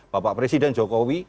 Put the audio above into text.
bapak presiden jokowi